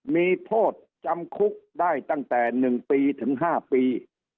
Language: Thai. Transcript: มีโทษจำคุกได้ตั้งแต่๑ปีถึง๕ปี